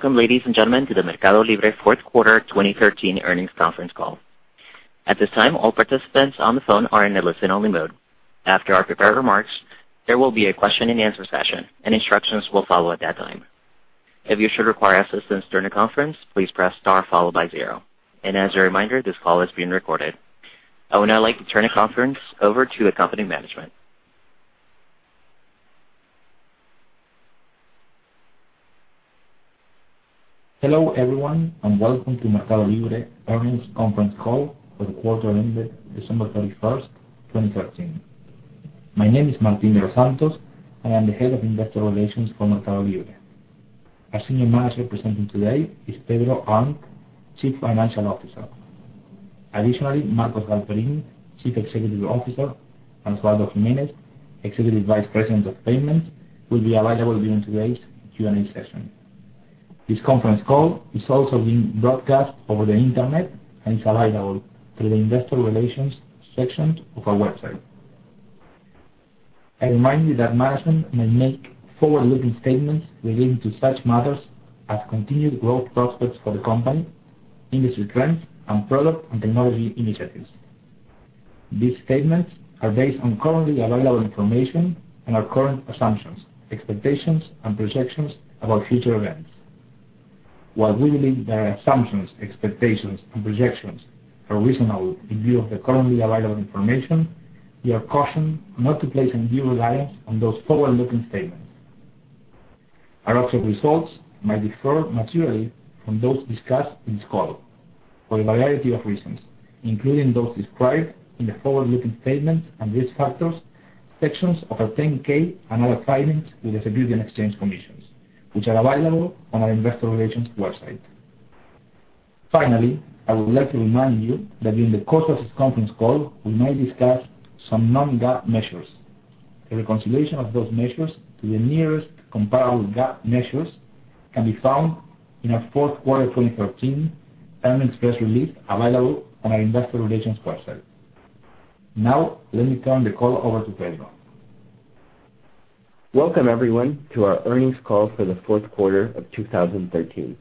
Welcome, ladies and gentlemen, to the MercadoLibre fourth quarter 2013 earnings conference call. At this time, all participants on the phone are in a listen-only mode. After our prepared remarks, there will be a question and answer session, and instructions will follow at that time. If you should require assistance during the conference, please press star followed by zero. As a reminder, this call is being recorded. I would now like to turn the conference over to the company management. Hello, everyone, and welcome to MercadoLibre Earnings Conference Call for the quarter ended December 31st, 2013. My name is Martin de los Santos, and I'm the Head of Investor Relations for MercadoLibre. Our Senior Manager presenting today is Pedro Arnt, Chief Financial Officer. Additionally, Marcos Galperín, Chief Executive Officer, and Osvaldo Gimenez, Executive Vice President of Payments, will be available during today's Q&A session. This conference call is also being broadcast over the internet and is available through the investor relations section of our website. I remind you that management may make forward-looking statements relating to such matters as continued growth prospects for the company, industry trends, and product and technology initiatives. These statements are based on currently available information and our current assumptions, expectations, and projections about future events. While we believe that our assumptions, expectations, and projections are reasonable in view of the currently available information, we are cautioned not to place undue reliance on those forward-looking statements. Our actual results might differ materially from those discussed in this call for a variety of reasons, including those described in the forward-looking statements and risk factors, sections of our 10-K and other filings with the Securities and Exchange Commission, which are available on our investor relations website. Finally, I would like to remind you that during the course of this conference call, we may discuss some non-GAAP measures. A reconciliation of those measures to the nearest comparable GAAP measures can be found in our fourth quarter 2013 earnings press release available on our investor relations website. Let me turn the call over to Pedro. Welcome, everyone, to our earnings call for the fourth quarter of 2013.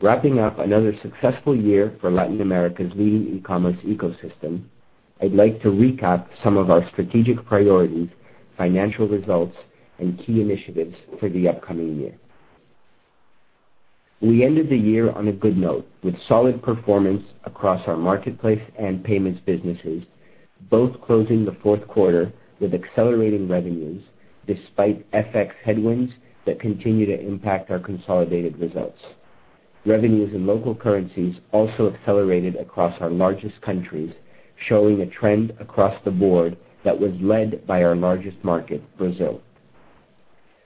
Wrapping up another successful year for Latin America's leading e-commerce ecosystem, I'd like to recap some of our strategic priorities, financial results, and key initiatives for the upcoming year. We ended the year on a good note with solid performance across our marketplace and payments businesses, both closing the fourth quarter with accelerating revenues despite FX headwinds that continue to impact our consolidated results. Revenues in local currencies also accelerated across our largest countries, showing a trend across the board that was led by our largest market, Brazil.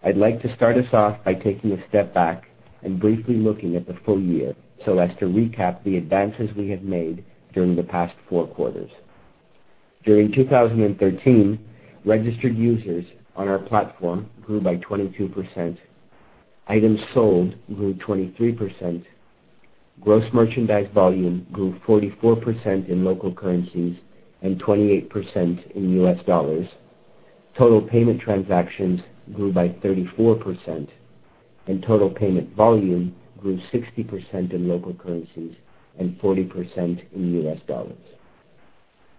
I'd like to start us off by taking a step back and briefly looking at the full year so as to recap the advances we have made during the past four quarters. During 2013, registered users on our platform grew by 22%. Items sold grew 23%. Gross merchandise volume grew 44% in local currencies and 28% in US dollars. Total payment transactions grew by 34%, total payment volume grew 60% in local currencies and 40% in US dollars.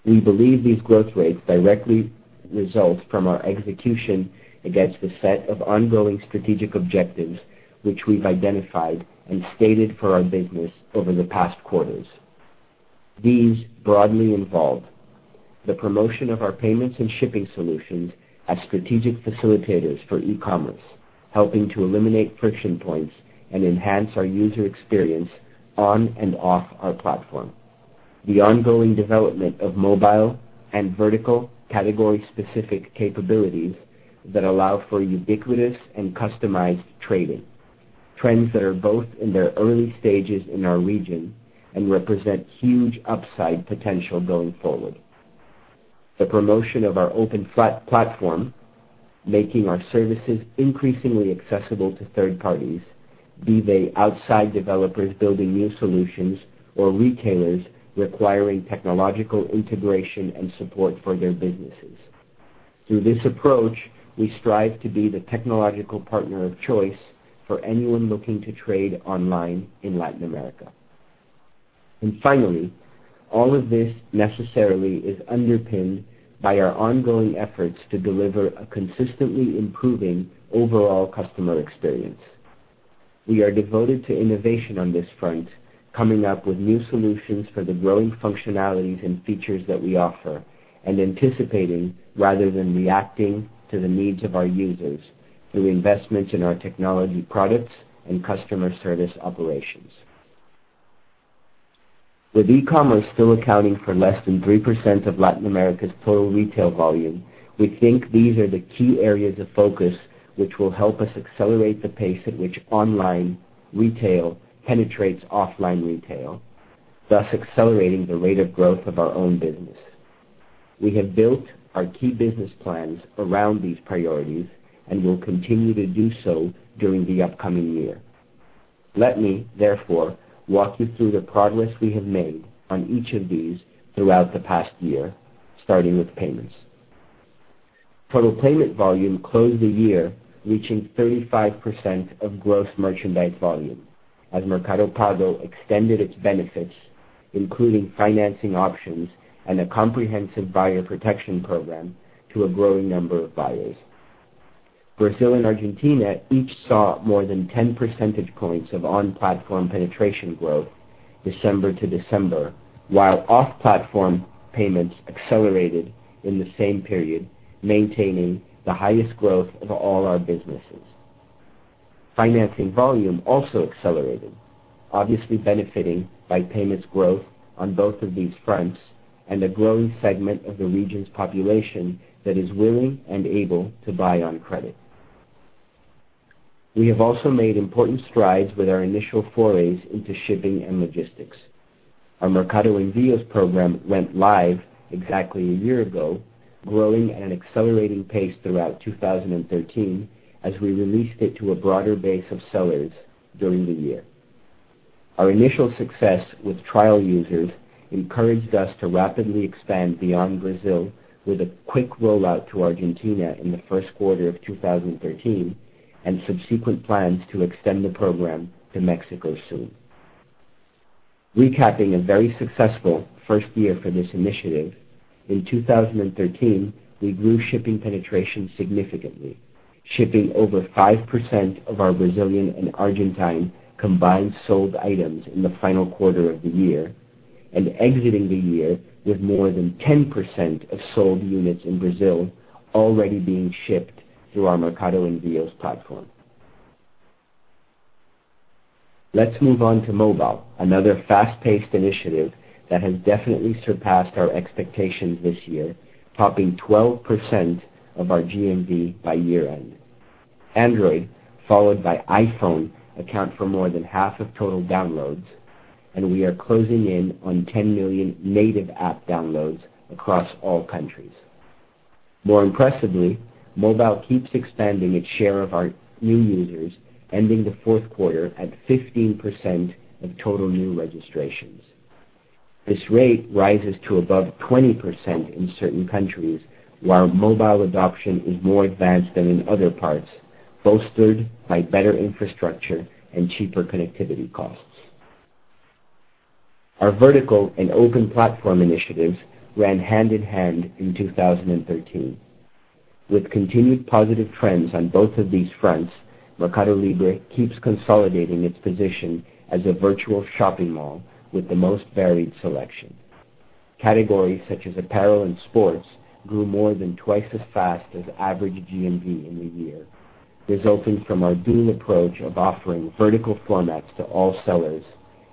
We believe these growth rates directly result from our execution against the set of ongoing strategic objectives which we've identified and stated for our business over the past quarters. These broadly involve the promotion of our payments and shipping solutions as strategic facilitators for e-commerce, helping to eliminate friction points and enhance our user experience on and off our platform. The ongoing development of mobile and vertical category-specific capabilities that allow for ubiquitous and customized trading. Trends that are both in their early stages in our region and represent huge upside potential going forward. The promotion of our open platform, making our services increasingly accessible to third parties, be they outside developers building new solutions or retailers requiring technological integration and support for their businesses. Through this approach, we strive to be the technological partner of choice for anyone looking to trade online in Latin America. Finally, all of this necessarily is underpinned by our ongoing efforts to deliver a consistently improving overall customer experience. We are devoted to innovation on this front, coming up with new solutions for the growing functionalities and features that we offer, anticipating rather than reacting to the needs of our users through investments in our technology products and customer service operations. With e-commerce still accounting for less than 3% of Latin America's total retail volume, we think these are the key areas of focus which will help us accelerate the pace at which online retail penetrates offline retail, thus accelerating the rate of growth of our own business. We have built our key business plans around these priorities and will continue to do so during the upcoming year. Let me, therefore, walk you through the progress we have made on each of these throughout the past year, starting with payments. Total payment volume closed the year reaching 35% of gross merchandise volume as Mercado Pago extended its benefits, including financing options and a comprehensive buyer protection program, to a growing number of buyers. Brazil and Argentina each saw more than 10 percentage points of on-platform penetration growth December to December, while off-platform payments accelerated in the same period, maintaining the highest growth of all our businesses. Financing volume also accelerated, obviously benefiting by payments growth on both of these fronts, a growing segment of the region's population that is willing and able to buy on credit. We have also made important strides with our initial forays into shipping and logistics. Our Mercado Envios program went live exactly a year ago, growing at an accelerating pace throughout 2013 as we released it to a broader base of sellers during the year. Our initial success with trial users encouraged us to rapidly expand beyond Brazil with a quick rollout to Argentina in the first quarter of 2013, and subsequent plans to extend the program to Mexico soon. Recapping a very successful first year for this initiative, in 2013, we grew shipping penetration significantly, shipping over 5% of our Brazilian and Argentine combined sold items in the final quarter of the year. Exiting the year with more than 10% of sold units in Brazil already being shipped through our Mercado Envios platform. Let's move on to mobile, another fast-paced initiative that has definitely surpassed our expectations this year, topping 12% of our GMV by year-end. Android, followed by iPhone, account for more than half of total downloads, and we are closing in on 10 million native app downloads across all countries. More impressively, mobile keeps expanding its share of our new users, ending the fourth quarter at 15% of total new registrations. This rate rises to above 20% in certain countries, while mobile adoption is more advanced than in other parts, bolstered by better infrastructure and cheaper connectivity costs. Our vertical and open platform initiatives ran hand-in-hand in 2013. With continued positive trends on both of these fronts, MercadoLibre keeps consolidating its position as a virtual shopping mall with the most varied selection. Categories such as apparel and sports grew more than twice as fast as average GMV in the year, resulting from our dual approach of offering vertical formats to all sellers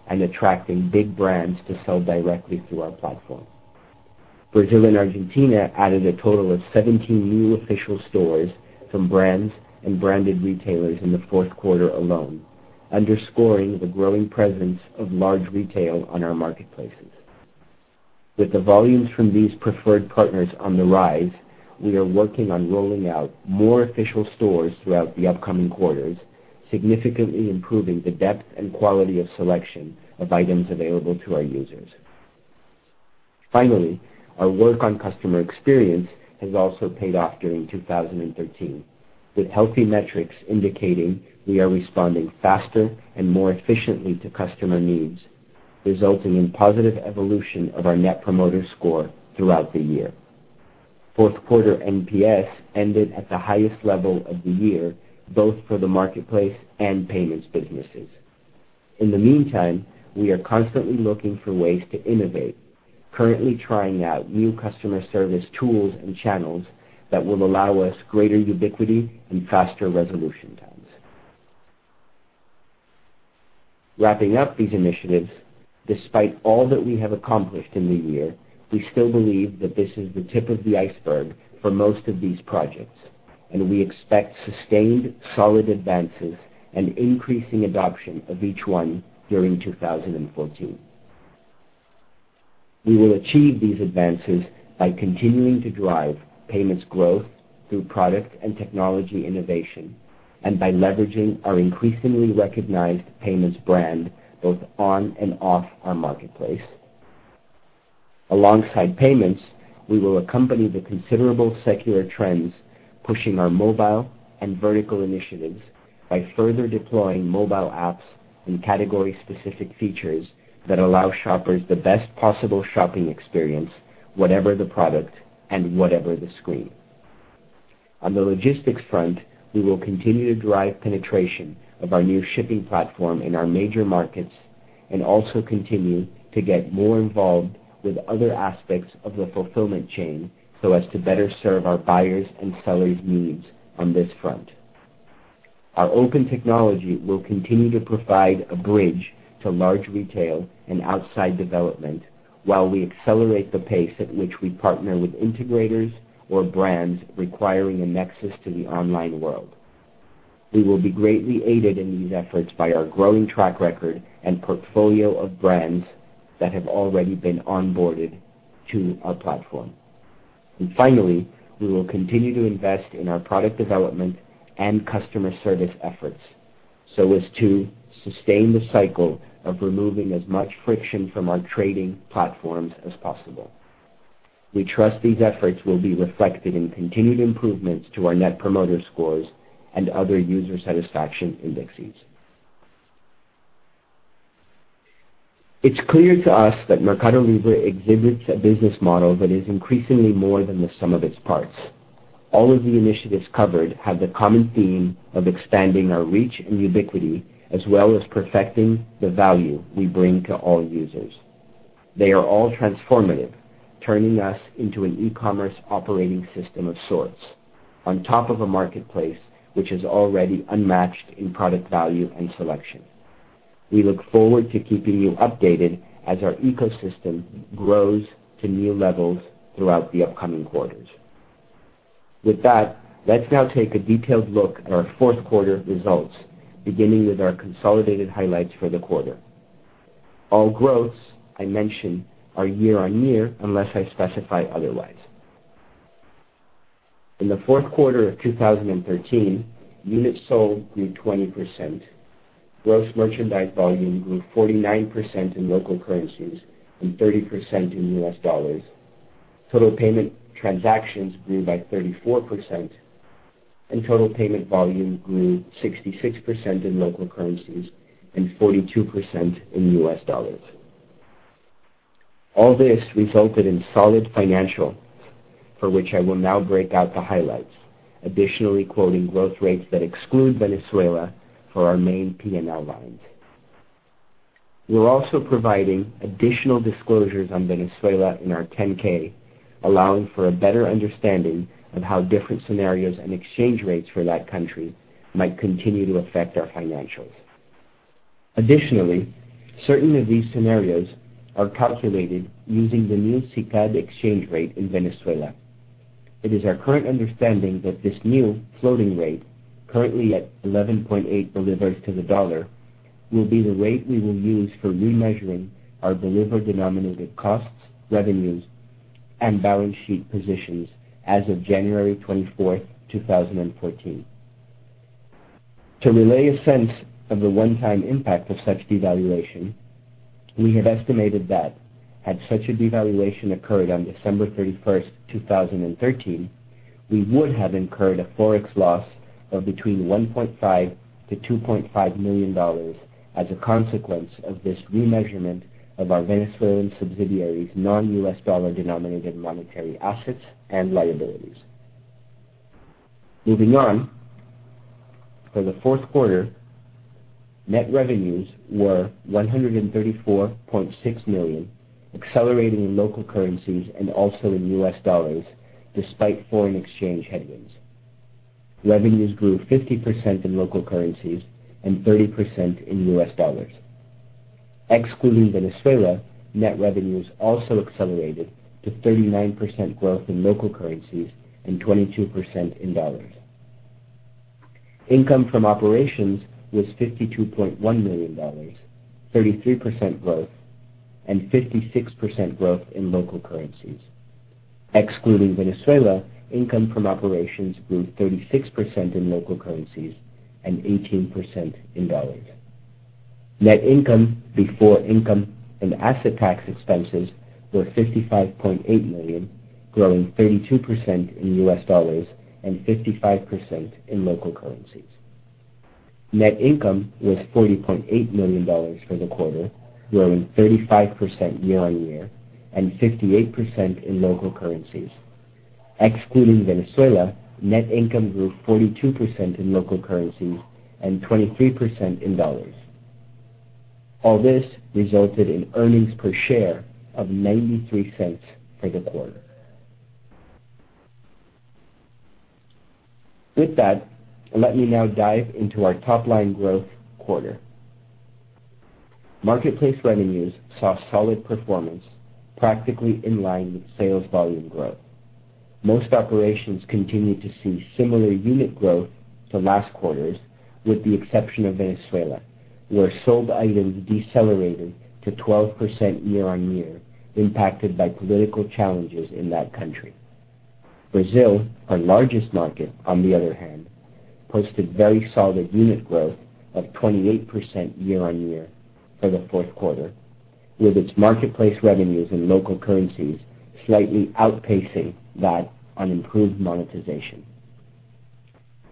and attracting big brands to sell directly through our platform. Brazil and Argentina added a total of 17 new official stores from brands and branded retailers in the fourth quarter alone, underscoring the growing presence of large retail on our marketplaces. With the volumes from these preferred partners on the rise, we are working on rolling out more official stores throughout the upcoming quarters, significantly improving the depth and quality of selection of items available to our users. Finally, our work on customer experience has also paid off during 2013, with healthy metrics indicating we are responding faster and more efficiently to customer needs, resulting in positive evolution of our Net Promoter Score throughout the year. Fourth quarter NPS ended at the highest level of the year, both for the marketplace and payments businesses. In the meantime, we are constantly looking for ways to innovate, currently trying out new customer service tools and channels that will allow us greater ubiquity and faster resolution times. Wrapping up these initiatives, despite all that we have accomplished in the year, we still believe that this is the tip of the iceberg for most of these projects, and we expect sustained solid advances and increasing adoption of each one during 2014. We will achieve these advances by continuing to drive payments growth through product and technology innovation, and by leveraging our increasingly recognized payments brand both on and off our marketplace. Alongside payments, we will accompany the considerable secular trends pushing our mobile and vertical initiatives by further deploying mobile apps and category-specific features that allow shoppers the best possible shopping experience, whatever the product and whatever the screen. On the logistics front, we will continue to drive penetration of our new shipping platform in our major markets and also continue to get more involved with other aspects of the fulfillment chain so as to better serve our buyers' and sellers' needs on this front. Our open technology will continue to provide a bridge to large retail and outside development while we accelerate the pace at which we partner with integrators or brands requiring a nexus to the online world. We will be greatly aided in these efforts by our growing track record and portfolio of brands that have already been onboarded to our platform. Finally, we will continue to invest in our product development and customer service efforts so as to sustain the cycle of removing as much friction from our trading platforms as possible. We trust these efforts will be reflected in continued improvements to our Net Promoter Scores and other user satisfaction indexes. It's clear to us that MercadoLibre exhibits a business model that is increasingly more than the sum of its parts. All of the initiatives covered have the common theme of expanding our reach and ubiquity, as well as perfecting the value we bring to all users. They are all transformative, turning us into an e-commerce operating system of sorts on top of a marketplace which is already unmatched in product value and selection. We look forward to keeping you updated as our ecosystem grows to new levels throughout the upcoming quarters. Let's now take a detailed look at our fourth quarter results, beginning with our consolidated highlights for the quarter. All growths I mention are year-on-year, unless I specify otherwise. In the fourth quarter of 2013, units sold grew 20%, gross merchandise volume grew 49% in local currencies and 30% in U.S. dollars. Total payment transactions grew by 34%. Total payment volume grew 66% in local currencies and 42% in U.S. dollars. This resulted in solid financials, for which I will now break out the highlights. Additionally, quoting growth rates that exclude Venezuela for our main P&L lines. We're also providing additional disclosures on Venezuela in our 10-K, allowing for a better understanding of how different scenarios and exchange rates for that country might continue to affect our financials. Additionally, certain of these scenarios are calculated using the new SICAD exchange rate in Venezuela. It is our current understanding that this new floating rate, currently at VEF 11.8 to the U.S. dollar, will be the rate we will use for remeasuring our bolivar-denominated costs, revenues, and balance sheet positions as of January 24th, 2014. To relay a sense of the one-time impact of such devaluation, we have estimated that had such a devaluation occurred on December 31st, 2013, we would have incurred a Forex loss of between $1.5 million-$2.5 million as a consequence of this remeasurement of our Venezuelan subsidiaries' non-U.S. dollar-denominated monetary assets and liabilities. Moving on. For the fourth quarter, net revenues were $134.6 million, accelerating in local currencies and also in U.S. dollars, despite foreign exchange headwinds. Revenues grew 50% in local currencies and 30% in U.S. dollars. Excluding Venezuela, net revenues also accelerated to 39% growth in local currencies and 22% in U.S. dollars. Income from operations was $52.1 million, 33% growth, and 56% growth in local currencies. Excluding Venezuela, income from operations grew 36% in local currencies and 18% in dollars. Net income before income and asset tax expenses were $55.8 million, growing 32% in U.S. dollars and 55% in local currencies. Net income was $40.8 million for the quarter, growing 35% year-on-year and 58% in local currencies. Excluding Venezuela, net income grew 42% in local currencies and 23% in dollars. All this resulted in earnings per share of $0.93 for the quarter. With that, let me now dive into our top-line growth quarter. Marketplace revenues saw solid performance, practically in line with sales volume growth. Most operations continued to see similar unit growth to last quarter's, with the exception of Venezuela, where sold items decelerated to 12% year-on-year, impacted by political challenges in that country. Brazil, our largest market, on the other hand, posted very solid unit growth of 28% year-on-year for the fourth quarter, with its marketplace revenues in local currencies slightly outpacing that on improved monetization.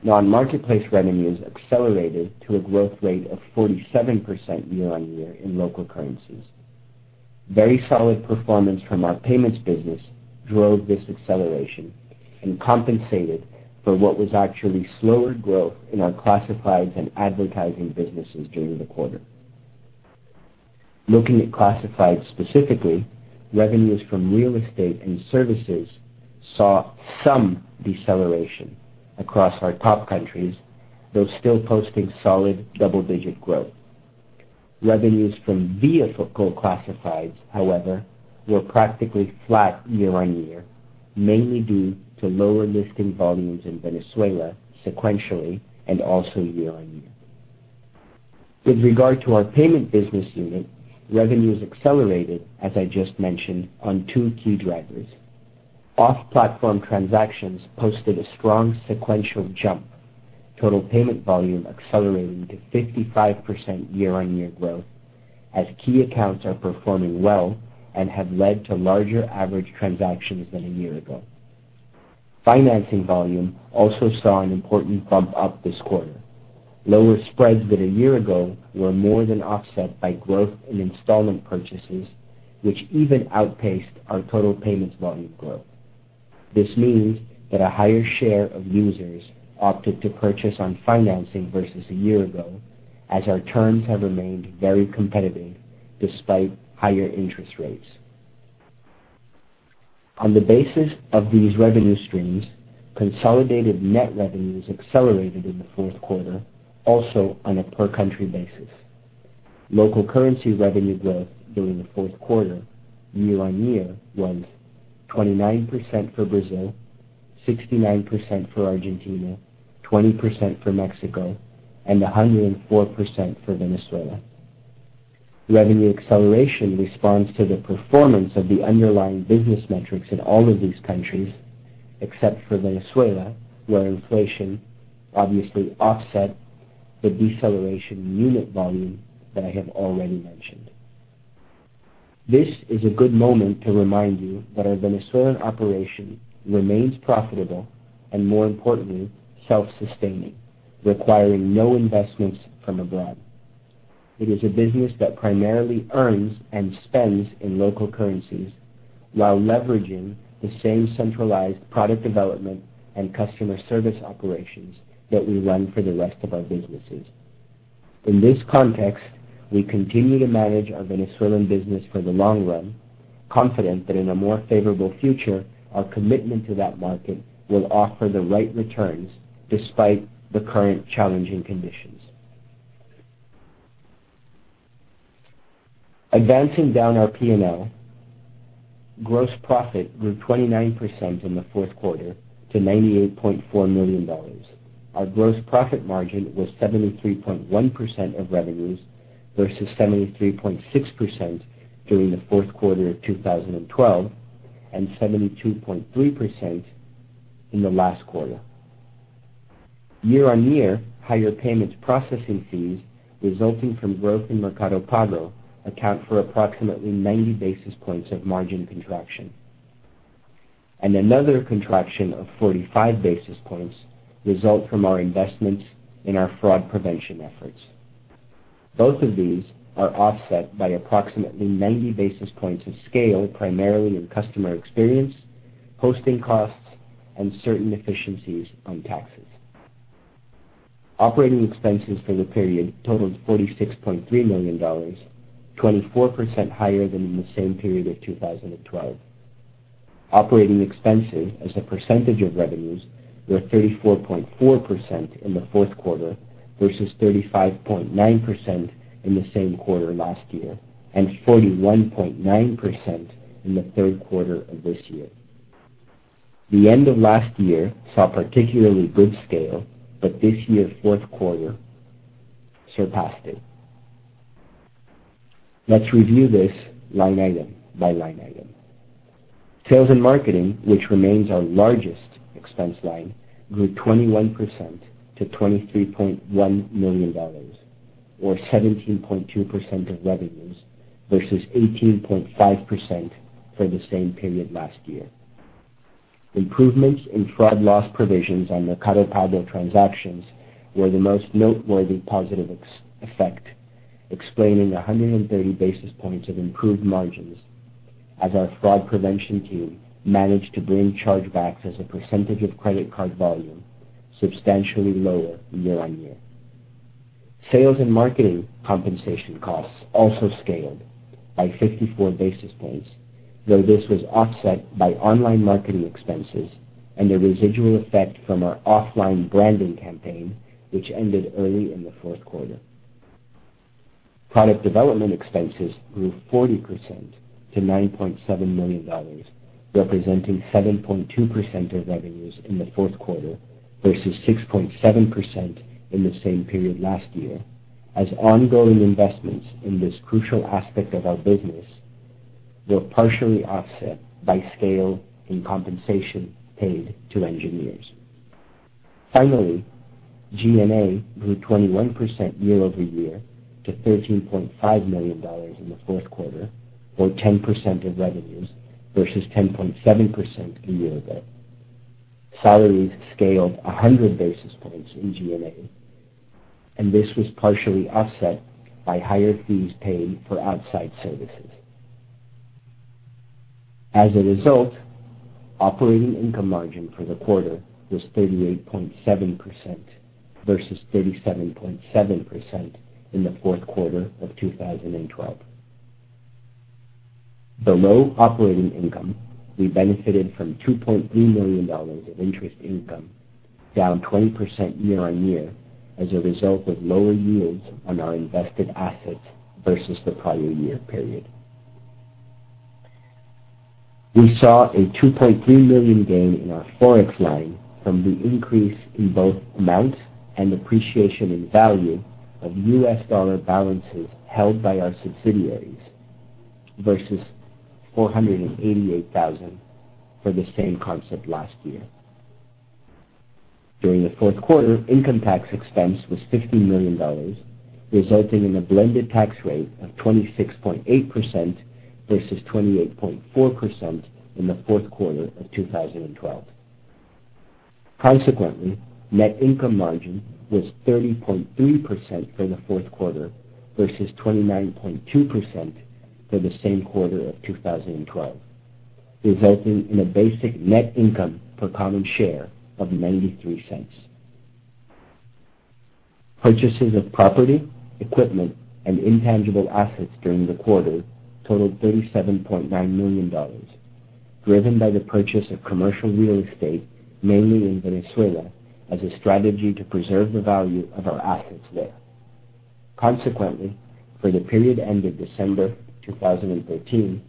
Non-marketplace revenues accelerated to a growth rate of 47% year-on-year in local currencies. Very solid performance from our payments business drove this acceleration and compensated for what was actually slower growth in our classifieds and advertising businesses during the quarter. Looking at classified specifically, revenues from real estate and services saw some deceleration across our top countries, though still posting solid double-digit growth. Revenues from vehicle classifieds, however, were practically flat year-on-year, mainly due to lower listing volumes in Venezuela sequentially and also year-on-year. With regard to our payment business unit, revenues accelerated, as I just mentioned, on two key drivers. Off-platform transactions posted a strong sequential jump. Total payment volume accelerating to 55% year-on-year growth as key accounts are performing well and have led to larger average transactions than a year ago. Financing volume also saw an important bump up this quarter. Lower spreads than a year ago were more than offset by growth in installment purchases, which even outpaced our total payments volume growth. This means that a higher share of users opted to purchase on financing versus a year ago as our terms have remained very competitive despite higher interest rates. On the basis of these revenue streams, consolidated net revenues accelerated in the fourth quarter, also on a per-country basis. Local currency revenue growth during the fourth quarter year-on-year was 29% for Brazil, 69% for Argentina, 20% for Mexico, and 104% for Venezuela. Revenue acceleration responds to the performance of the underlying business metrics in all of these countries, except for Venezuela, where inflation obviously offset the deceleration in unit volume that I have already mentioned. This is a good moment to remind you that our Venezuelan operation remains profitable and, more importantly, self-sustaining, requiring no investments from abroad. It is a business that primarily earns and spends in local currencies while leveraging the same centralized product development and customer service operations that we run for the rest of our businesses. In this context, we continue to manage our Venezuelan business for the long run, confident that in a more favorable future, our commitment to that market will offer the right returns despite the current challenging conditions. Advancing down our P&L, gross profit grew 29% in the fourth quarter to $98.4 million. Our gross profit margin was 73.1% of revenues versus 73.6% during the fourth quarter of 2012 and 72.3% in the last quarter. Year-on-year, higher payments processing fees resulting from growth in Mercado Pago account for approximately 90 basis points of margin contraction. Another contraction of 45 basis points result from our investments in our fraud prevention efforts. Both of these are offset by approximately 90 basis points of scale, primarily in customer experience, hosting costs, and certain efficiencies on taxes. Operating expenses for the period totaled $46.3 million, 24% higher than in the same period of 2012. Operating expenses as a percentage of revenues were 34.4% in the fourth quarter versus 35.9% in the same quarter last year, and 41.9% in the third quarter of this year. The end of last year saw particularly good scale, this year's fourth quarter surpassed it. Let's review this line item by line item. Sales and marketing, which remains our largest expense line, grew 21% to $23.1 million, or 17.2% of revenues versus 18.5% for the same period last year. Improvements in fraud loss provisions on Mercado Pago transactions were the most noteworthy positive effect, explaining 130 basis points of improved margins as our fraud prevention team managed to bring chargebacks as a percentage of credit card volume substantially lower year-on-year. Sales and marketing compensation costs also scaled by 54 basis points, though this was offset by online marketing expenses and a residual effect from our offline branding campaign, which ended early in the fourth quarter. Product development expenses grew 40% to $9.7 million, representing 7.2% of revenues in the fourth quarter versus 6.7% in the same period last year as ongoing investments in this crucial aspect of our business were partially offset by scale in compensation paid to engineers. Finally, G&A grew 21% year-over-year to $13.5 million in the fourth quarter, or 10% of revenues versus 10.7% a year ago. Salaries scaled 100 basis points in G&A, and this was partially offset by higher fees paid for outside services. As a result, operating income margin for the quarter was 38.7% versus 37.7% in the fourth quarter of 2012. Below operating income, we benefited from $2.3 million of interest income, down 20% year-on-year as a result of lower yields on our invested assets versus the prior year period. We saw a $2.3 million gain in our Forex line from the increase in both amount and appreciation in value of US dollar balances held by our subsidiaries, versus $488,000 for the same concept last year. During the fourth quarter, income tax expense was $50 million, resulting in a blended tax rate of 26.8% versus 28.4% in the fourth quarter of 2012. Consequently, net income margin was 30.3% for the fourth quarter versus 29.2% for the same quarter of 2012, resulting in a basic net income per common share of $0.93. Purchases of property, equipment, and intangible assets during the quarter totaled $37.9 million, driven by the purchase of commercial real estate, mainly in Venezuela, as a strategy to preserve the value of our assets there. Consequently, for the period end of December 2013,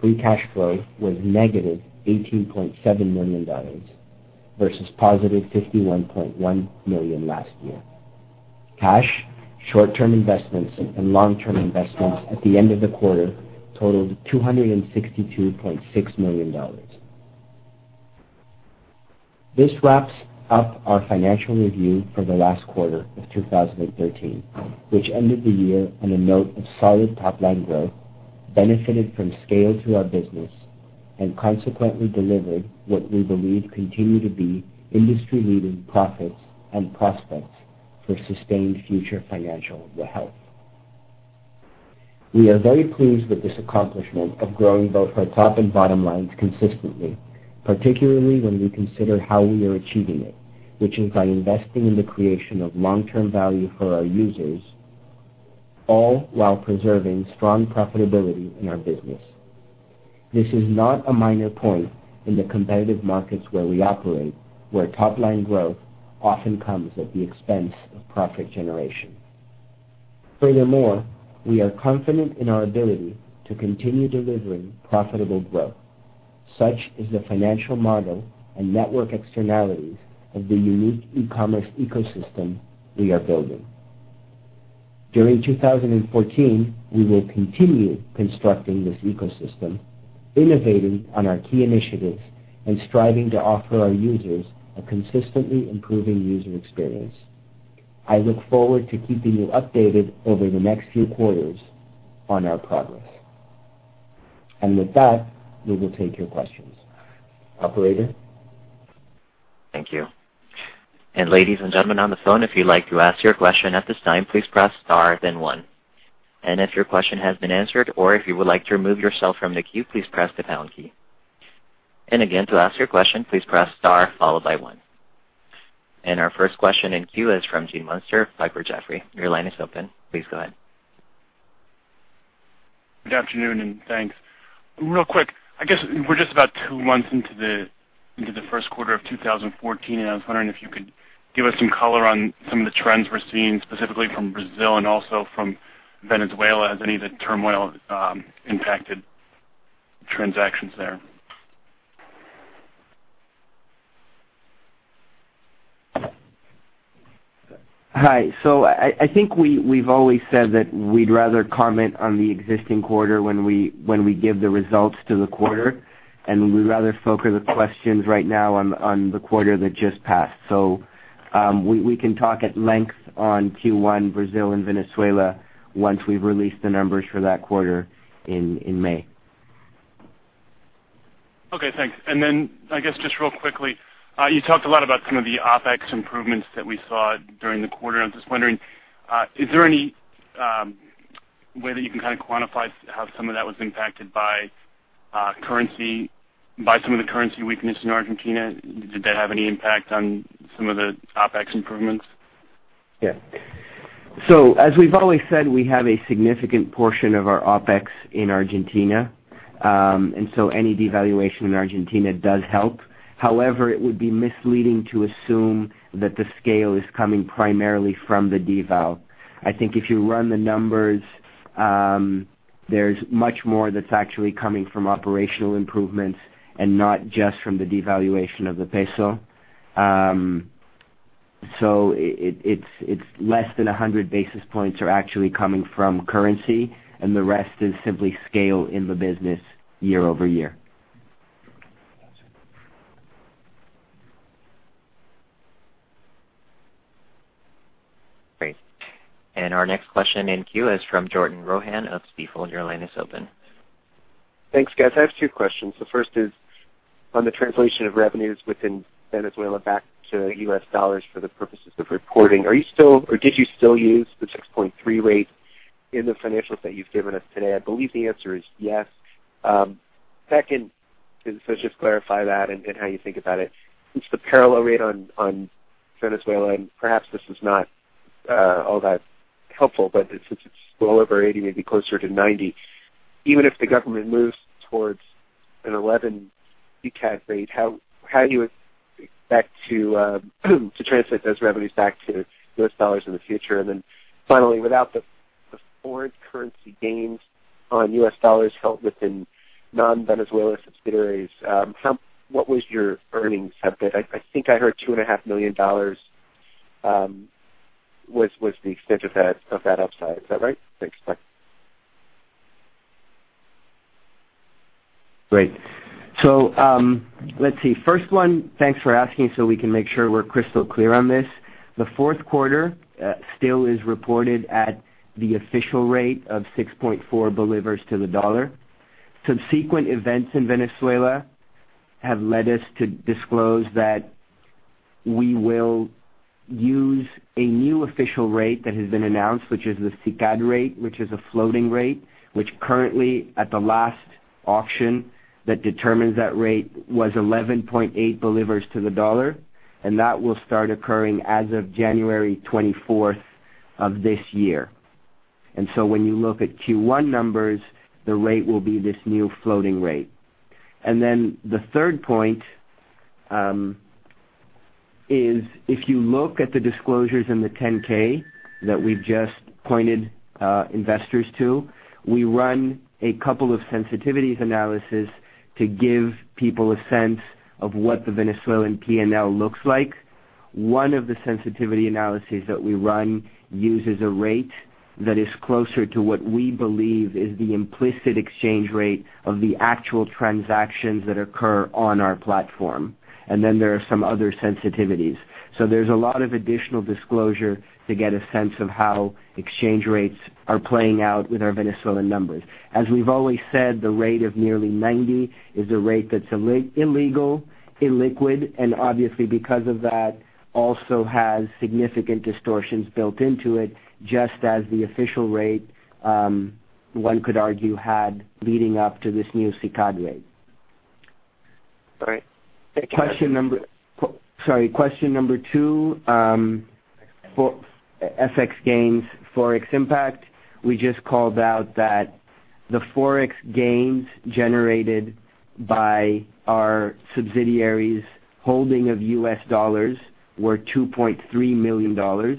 free cash flow was negative $18.7 million versus positive $51.1 million last year. Cash, short-term investments, and long-term investments at the end of the quarter totaled $262.6 million. This wraps up our financial review for the last quarter of 2013, which ended the year on a note of solid top-line growth, benefited from scale to our business, and consequently delivered what we believe continue to be industry-leading profits and prospects for sustained future financial health. We are very pleased with this accomplishment of growing both our top and bottom lines consistently, particularly when we consider how we are achieving it, which is by investing in the creation of long-term value for our users, all while preserving strong profitability in our business. This is not a minor point in the competitive markets where we operate, where top-line growth often comes at the expense of profit generation. We are confident in our ability to continue delivering profitable growth. Such is the financial model and network externalities of the unique e-commerce ecosystem we are building. During 2014, we will continue constructing this ecosystem, innovating on our key initiatives, and striving to offer our users a consistently improving user experience. I look forward to keeping you updated over the next few quarters on our progress. With that, we will take your questions. Operator? Thank you. Ladies and gentlemen on the phone, if you'd like to ask your question at this time, please press star then one. If your question has been answered or if you would like to remove yourself from the queue, please press the pound key. Again, to ask your question, please press star followed by one. Our first question in queue is from Gene Munster of Piper Jaffray. Your line is open. Please go ahead. Good afternoon, thanks. Real quick, I guess we're just about two months into the first quarter of 2014, I was wondering if you could give us some color on some of the trends we're seeing specifically from Brazil and also from Venezuela. Has any of the turmoil impacted transactions there? Hi. I think we've always said that we'd rather comment on the existing quarter when we give the results to the quarter, we'd rather focus the questions right now on the quarter that just passed. We can talk at length on Q1 Brazil and Venezuela once we've released the numbers for that quarter in May. Okay, thanks. Then I guess, just real quickly, you talked a lot about some of the OpEx improvements that we saw during the quarter. I was just wondering, is there any way that you can kind of quantify how some of that was impacted by some of the currency weakness in Argentina? Did that have any impact on some of the OpEx improvements? Yeah. As we've always said, we have a significant portion of our OpEx in Argentina, any devaluation in Argentina does help. However, it would be misleading to assume that the scale is coming primarily from the deval. I think if you run the numbers, there's much more that's actually coming from operational improvements and not just from the devaluation of the peso. It's less than 100 basis points are actually coming from currency, and the rest is simply scale in the business year-over-year. Great. Our next question in queue is from Jordan Rohan of Stifel. Your line is open. Thanks, guys. I have two questions. The first is on the translation of revenues within Venezuela back to US dollars for the purposes of reporting. Did you still use the 6.3 rate in the financials that you've given us today? I believe the answer is yes. Second, just clarify that and how you think about it. Since the parallel rate on Venezuela, and perhaps this is not all that helpful, but since it's well over 80, maybe closer to 90, even if the government moves towards an 11 SICAD rate, how do you expect to translate those revenues back to US dollars in the future. Finally, without the foreign currency gains on US dollars held within non-Venezuela subsidiaries, what was your earnings impact? I think I heard $2.5 million was the extent of that upside. Is that right? Thanks, bye. Great. Let's see. First one, thanks for asking so we can make sure we're crystal clear on this. The fourth quarter still is reported at the official rate of 6.4 bolivars to the dollar. Subsequent events in Venezuela have led us to disclose that we will use a new official rate that has been announced, which is the SICAD rate, which is a floating rate, which currently, at the last auction that determines that rate, was 11.8 bolivars to the dollar, and that will start occurring as of January 24th of this year. When you look at Q1 numbers, the rate will be this new floating rate. The third point is, if you look at the disclosures in the 10-K that we've just pointed investors to, we run a couple of sensitivities analysis to give people a sense of what the Venezuelan P&L looks like. One of the sensitivity analyses that we run uses a rate that is closer to what we believe is the implicit exchange rate of the actual transactions that occur on our platform. There are some other sensitivities. There's a lot of additional disclosure to get a sense of how exchange rates are playing out with our Venezuelan numbers. As we've always said, the rate of nearly 90 is a rate that's illegal, illiquid, and obviously because of that, also has significant distortions built into it, just as the official rate, one could argue, had leading up to this new SICAD rate. All right. Sorry, question number two. FX gains, Forex impact. We just called out that the Forex gains generated by our subsidiaries' holding of U.S. dollars were $2.3 million.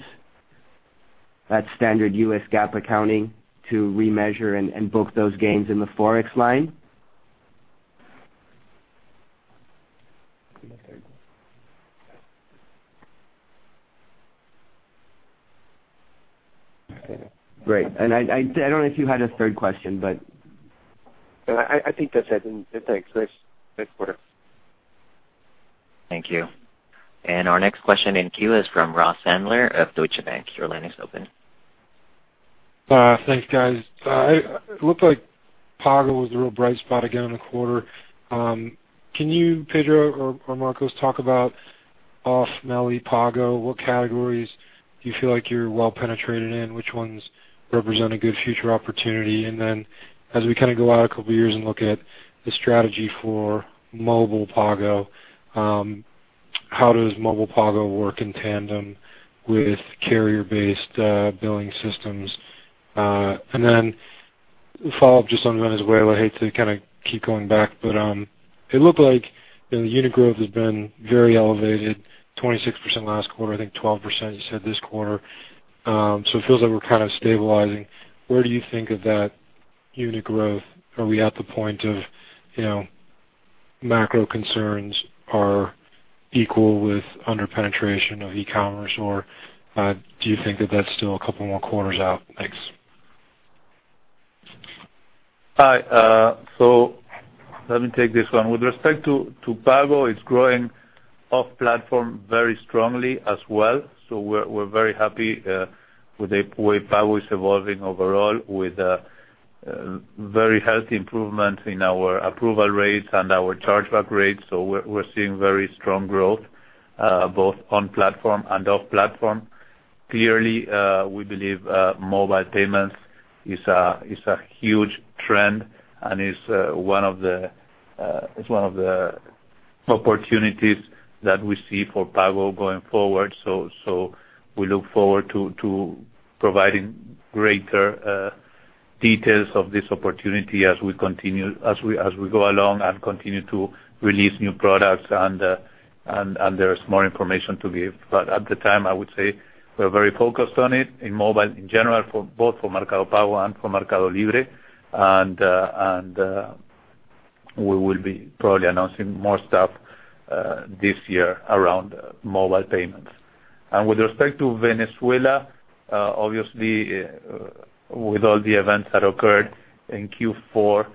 That's standard U.S. GAAP accounting to remeasure and book those gains in the Forex line. Great. I don't know if you had a third question. No, I think that's it. Thanks. Thanks for the support. Thank you. Our next question in queue is from Ross Sandler of Deutsche Bank. Your line is open. Thanks, guys. It looked like Pago was a real bright spot again in the quarter. Can you, Pedro or Marcos, talk about off MELI Pago? What categories do you feel like you're well-penetrated in? Which ones represent a good future opportunity? As we go out a couple of years and look at the strategy for mobile Pago, how does mobile Pago work in tandem with carrier-based billing systems? A follow-up just on Venezuela. I hate to keep going back, it looked like the unit growth has been very elevated, 26% last quarter, I think 12% you said this quarter. It feels like we're stabilizing. Where do you think of that unit growth? Are we at the point of macro concerns are equal with under-penetration of e-commerce, or do you think that that's still a couple more quarters out? Thanks. Hi. Let me take this one. With respect to Pago, it's growing off-platform very strongly as well. We're very happy with the way Pago is evolving overall, with a very healthy improvement in our approval rates and our chargeback rates. We're seeing very strong growth, both on-platform and off-platform. Clearly, we believe mobile payments is a huge trend and is one of the opportunities that we see for Pago going forward. We look forward to providing greater details of this opportunity as we go along and continue to release new products and there is more information to give. At the time, I would say we're very focused on it, in mobile in general, both for Mercado Pago and for Mercado Libre. We will be probably announcing more stuff this year around mobile payments. With respect to Venezuela, obviously, with all the events that occurred in Q4,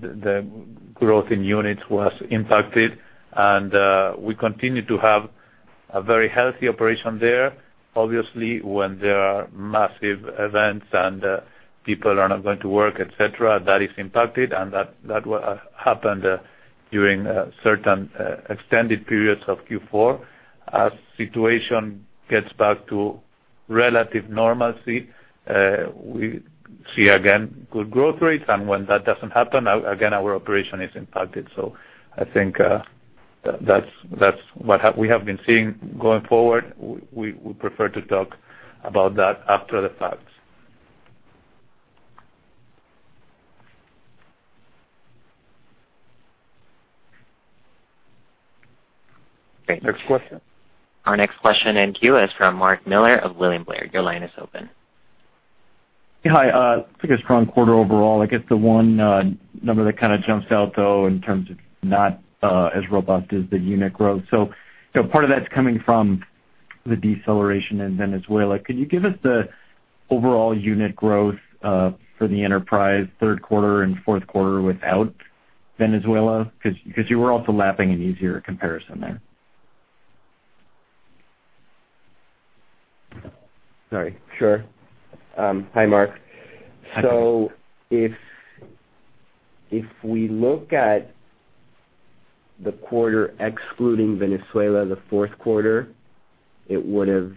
the growth in units was impacted, and we continue to have a very healthy operation there. Obviously, when there are massive events and people are not going to work, et cetera, that is impacted, and that happened during certain extended periods of Q4. As situation gets back to relative normalcy, we see again good growth rates, and when that doesn't happen, again, our operation is impacted. I think that's what we have been seeing going forward. We prefer to talk about that after the fact. Great. Next question. Our next question in queue is from Mark Miller of William Blair. Your line is open. Hi. It's been a strong quarter overall. I guess the one number that kind of jumps out, though, in terms of not as robust, is the unit growth. Part of that's coming from the deceleration in Venezuela. Could you give us the overall unit growth for the enterprise third quarter and fourth quarter without Venezuela? Because you were also lapping an easier comparison there. Sorry. Sure. Hi, Mark. If we look at the quarter excluding Venezuela, the fourth quarter, it would've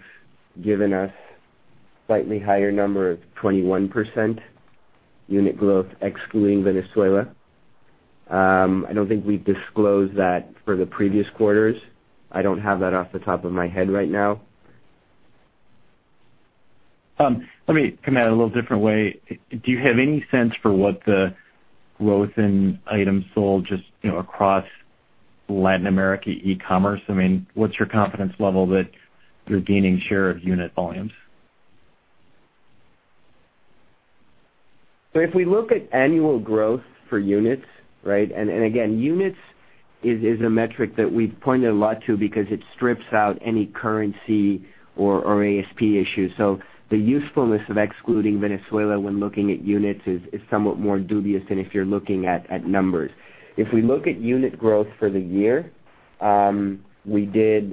given us slightly higher number of 21% unit growth excluding Venezuela. I don't think we've disclosed that for the previous quarters. I don't have that off the top of my head right now. Let me come at it a little different way. Do you have any sense for what the growth in items sold just across Latin America e-commerce? I mean, what's your confidence level that you're gaining share of unit volumes? If we look at annual growth for units, right, and again, units is a metric that we point a lot to because it strips out any currency or ASP issues. The usefulness of excluding Venezuela when looking at units is somewhat more dubious than if you're looking at numbers. If we look at unit growth for the year, we did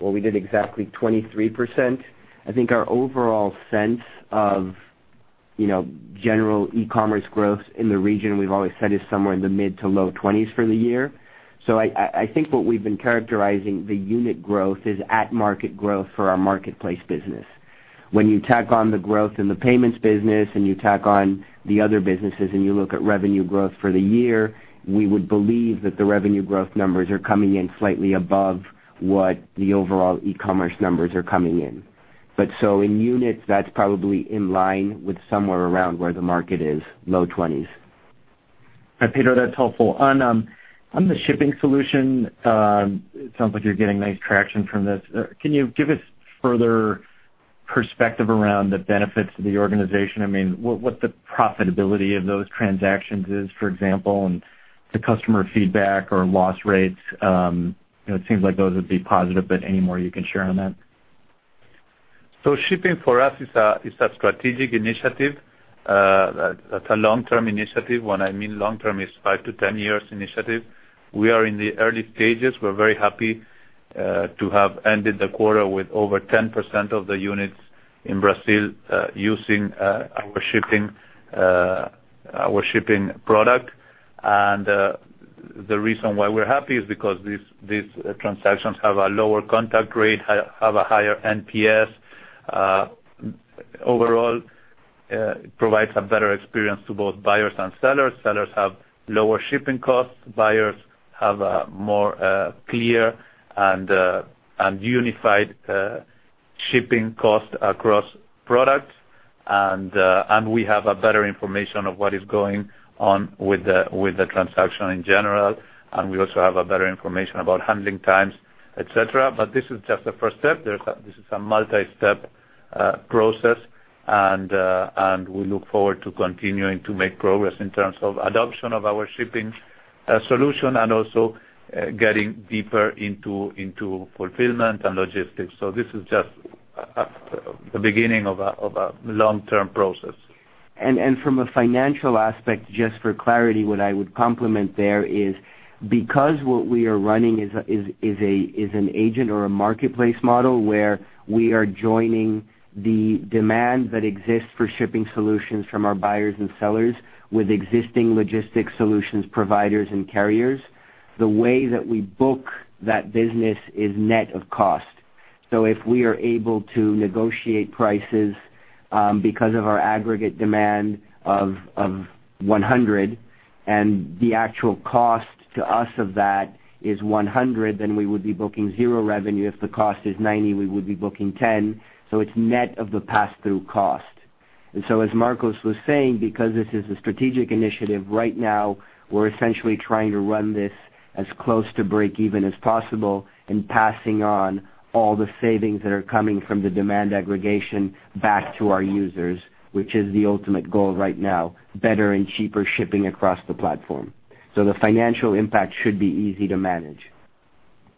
exactly 23%. I think our overall sense of general e-commerce growth in the region, we've always said, is somewhere in the mid to low twenties for the year. I think what we've been characterizing the unit growth is at market growth for our marketplace business. When you tack on the growth in the payments business, and you tack on the other businesses, and you look at revenue growth for the year, we would believe that the revenue growth numbers are coming in slightly above what the overall e-commerce numbers are coming in. In units, that's probably in line with somewhere around where the market is, low twenties. Pedro, that's helpful. On the shipping solution, it sounds like you're getting nice traction from this. Can you give us further perspective around the benefits to the organization? I mean, what the profitability of those transactions is, for example, and the customer feedback or loss rates. It seems like those would be positive, but any more you can share on that. Shipping for us is a strategic initiative. That's a long-term initiative. When I mean long term is 5 to 10 years initiative. We are in the early stages. We're very happy to have ended the quarter with over 10% of the units in Brazil using our shipping product. The reason why we're happy is because these transactions have a lower contact rate, have a higher NPS. Overall, provides a better experience to both buyers and sellers. Sellers have lower shipping costs. Buyers have a more clear and unified shipping cost across products. We have better information of what is going on with the transaction in general, and we also have better information about handling times, et cetera. This is just the first step. This is a multi-step process. We look forward to continuing to make progress in terms of adoption of our shipping solution and also getting deeper into fulfillment and logistics. This is just the beginning of a long-term process. From a financial aspect, just for clarity, what I would complement there is because what we are running is an agent or a marketplace model where we are joining the demand that exists for shipping solutions from our buyers and sellers with existing logistics solutions providers and carriers. The way that we book that business is net of cost. If we are able to negotiate prices because of our aggregate demand of 100, and the actual cost to us of that is 100, then we would be booking 0 revenue. If the cost is 90, we would be booking 10. It's net of the pass-through cost. As Marcos was saying, because this is a strategic initiative right now, we're essentially trying to run this as close to breakeven as possible and passing on all the savings that are coming from the demand aggregation back to our users, which is the ultimate goal right now, better and cheaper shipping across the platform. The financial impact should be easy to manage.